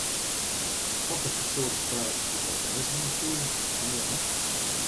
Hokker histoarysk barren hat dy it meast beynfloede en wêrom?